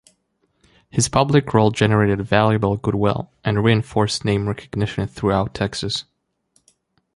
His public role generated valuable goodwill and reinforced name recognition throughout Texas.